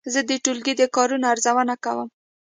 زه د ټولګي د کارونو ارزونه کوم.